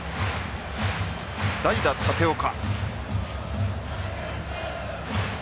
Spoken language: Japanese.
代打立岡。